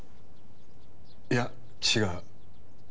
いや違う。